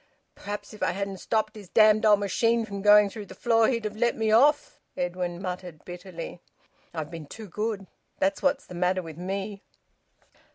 "Perhaps if I hadn't stopped his damned old machine from going through the floor, he'd have let me off!" Edwin muttered bitterly. "I've been too good, that's what's the matter with me!"